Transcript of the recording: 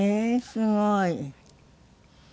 すごい。